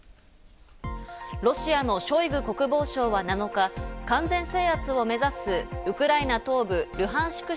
ロシアのショイグ国防相は７日、完全制圧を目指すウクライナ東部ルハンシク